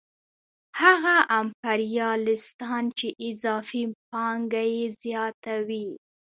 هغه امپریالیستان چې اضافي پانګه یې زیاته وي